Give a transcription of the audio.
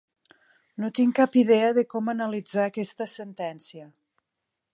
No tinc cap idea de com analitzar aquesta sentència.